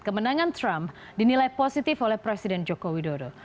kemenangan trump dinilai positif oleh presiden jokowi dodo